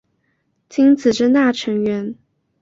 金子真大成员。